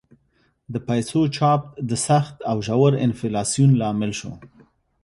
د پیسو چاپ د سخت او ژور انفلاسیون لامل شو.